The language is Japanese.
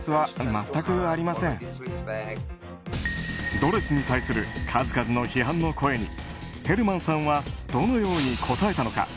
ドレスに対する数々の批判の声にヘルマンさんはどのように答えたのか。